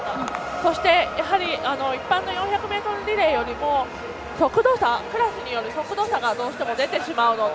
そして、やはり一般の４００ｍリレーよりもクラスによる速度差がどうしても出てしまうので。